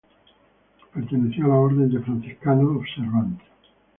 Perteneció a la orden de franciscanos observantes.